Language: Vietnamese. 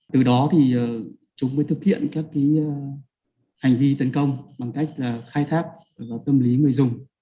từ đó thì chúng mới thực hiện các hành vi tấn công bằng cách khai thác vào tâm lý người dùng